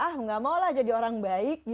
ah nggak maulah jadi orang baik gitu ya